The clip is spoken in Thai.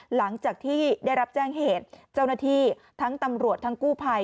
หลังจากที่ได้รับแจ้งเหตุเจ้าหน้าที่ทั้งตำรวจทั้งกู้ภัย